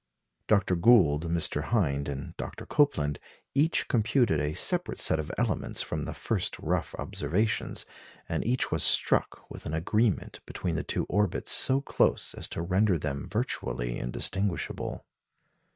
Dr. Gould, Mr. Hind, and Dr. Copeland, each computed a separate set of elements from the first rough observations, and each was struck with an agreement between the two orbits so close as to render them virtually indistinguishable.